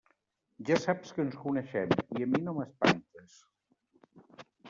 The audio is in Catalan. Ja saps que ens coneixem, i a mi no m'espantes.